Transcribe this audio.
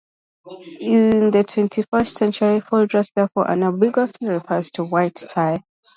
In the twenty-first century, "full dress" therefore unambiguously refers to white tie.